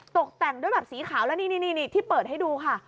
ตกแต่งด้วยแบบสีขาวแล้วนี่ที่เปิดให้ดูค่ะ